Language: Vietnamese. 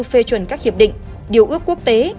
phê chuẩn các hiệp định điều ước quốc tế